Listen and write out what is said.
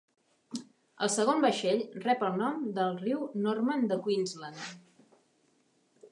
El segon vaixell rep el nom del riu Norman de Queensland.